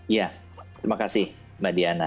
ya terima kasih mbak diana